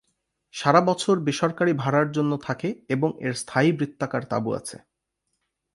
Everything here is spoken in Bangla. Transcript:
সারা বছর বেসরকারি ভাড়ার জন্য থাকে এবং এর স্থায়ী বৃত্তাকার তাঁবু আছে।